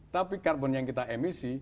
tapi karbon yang kita emisi